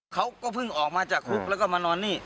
เขาก็เพิ่งออกมาจากคุกแล้วก็มานอนนี่